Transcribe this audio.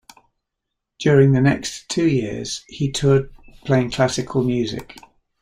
During the next two years, he toured playing classical music.